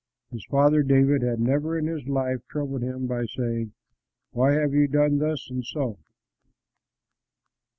His father, David, had never in his life troubled him by saying, "Why have you done thus and so?"